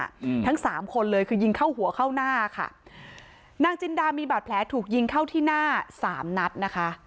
อืมทั้งสามคนเลยคือยิงเข้าหัวเข้าหน้าค่ะนางจินดามีบาดแผลถูกยิงเข้าที่หน้าสามนัดนะคะ